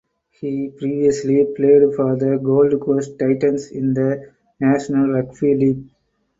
He previously played for the Gold Coast Titans in the National Rugby League.